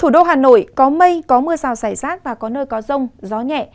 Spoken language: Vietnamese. thủ đô hà nội có mây có mưa rào xảy rác và có nơi có rông gió nhẹ